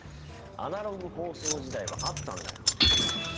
アナログ放送時代はあったんだよ。